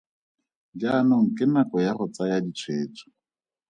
Jaanong ke nako ya go tsaya ditshwetso.